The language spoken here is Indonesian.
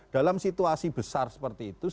dalam situasi besar seperti itu